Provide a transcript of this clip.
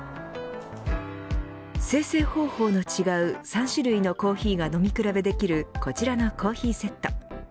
精製方法の違う３種類のコーヒーが飲み比べできるこちらのコーヒーセット。